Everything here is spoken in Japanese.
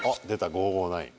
５５９。